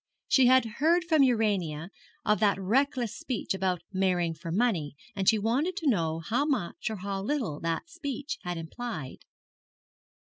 She had heard from Urania of that reckless speech about marrying for money, and she wanted to know how much or how little that speech had implied.